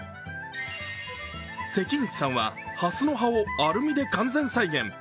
関口さんは蓮の葉をアルミで完全再現。